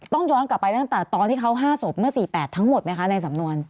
ย้อนกลับไปตั้งแต่ตอนที่เขา๕ศพเมื่อ๔๘ทั้งหมดไหมคะในสำนวน